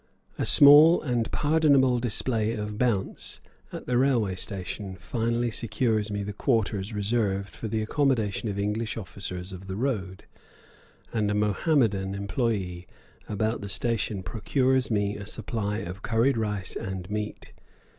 A small and pardonable display of "bounce" at the railway station finally secures me the quarters reserved for the accommodation of English officers of the road, and a Mohammedan employe about the station procures me a supply of curried rice and meat.